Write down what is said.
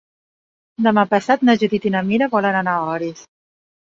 Demà passat na Judit i na Mira volen anar a Orís.